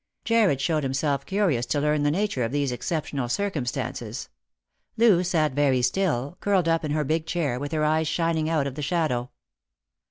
Jarred showed himself curious to learn the nature of these exceptional circumstances. Loo sat very still, curled up in her big chair, with her eyes shining out of the shadow.